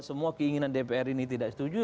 semua keinginan dpr ini tidak setuju